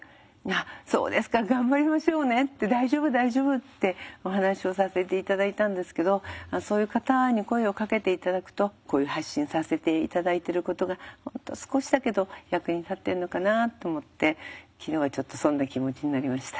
「そうですか頑張りましょうね」って「大丈夫大丈夫」ってお話をさせて頂いたんですけどそういう方に声をかけて頂くとこういう発信させて頂いてることが本当少しだけど役に立ってんのかなと思って昨日はちょっとそんな気持ちになりました。